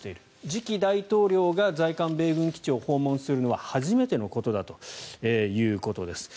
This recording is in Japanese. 次期大統領が在韓米軍基地を訪問するのは初めてのことだということです。